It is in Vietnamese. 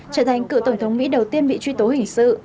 trở thành cựu tổng thống mỹ đầu tiên bị truy tố hình sự